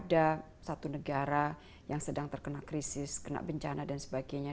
jadi misalnya ada negara yang sedang terkena krisis kena bencana dan sebagainya